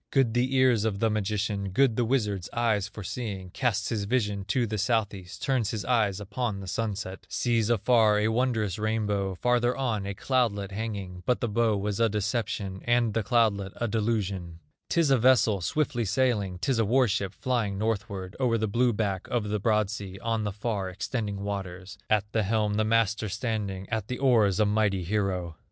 Good the ears of the magician, Good the wizard's eyes for seeing; Casts his vision to the South east, Turns his eyes upon the sunset, Sees afar a wondrous rainbow, Farther on, a cloudlet hanging; But the bow was a deception, And the cloudlet a delusion; 'Tis a vessel swiftly sailing, 'Tis a war ship flying northward, O'er the blue back of the broad sea, On the far extending waters, At the helm the master standing, At the oars a mighty hero.